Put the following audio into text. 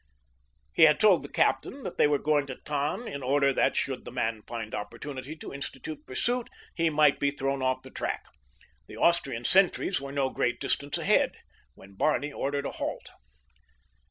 He had told the captain that they were going to Tann in order that, should the man find opportunity to institute pursuit, he might be thrown off the track. The Austrian sentries were no great distance ahead when Barney ordered a halt.